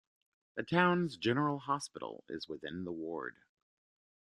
The town's General Hospital is within the ward.